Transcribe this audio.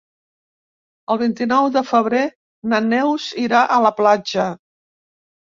El vint-i-nou de febrer na Neus irà a la platja.